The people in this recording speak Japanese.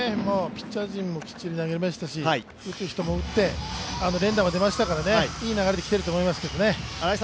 ピッチャー陣もきっちり投げましたし打つ人も打って、連打も出ましたから、いい流れできていると思いますけどね。